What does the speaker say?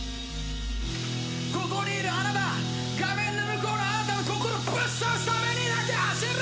ここにいるあなた画面の向こうのあなたの心ぶっ刺すためにだけ走る！